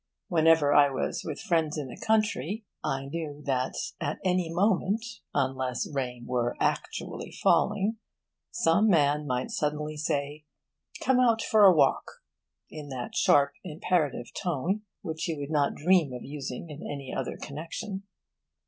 Whenever I was with friends in the country, I knew that at any moment, unless rain were actually falling, some man might suddenly say 'Come out for a walk!' in that sharp imperative tone which he would not dream of using in any other connexion.